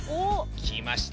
きました